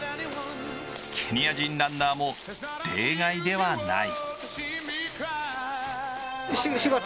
ケニア人ランナーも例外ではない。